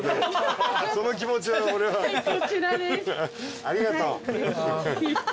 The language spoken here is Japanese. ありがとう。